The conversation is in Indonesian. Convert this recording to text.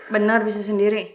bener bisa sendiri